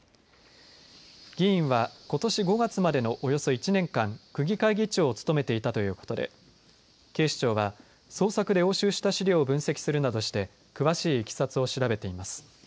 議員はことし５月までのおよそ１年間区議会議長を務めていたということで警視庁は捜索で押収した資料を分析するなどして詳しいいきさつを調べています。